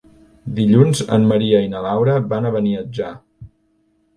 Dilluns en Maria i na Laura van a Beniatjar.